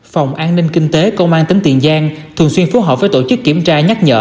phòng an ninh kinh tế công an tỉnh tiền giang thường xuyên phối hợp với tổ chức kiểm tra nhắc nhở